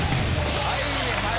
はいはい。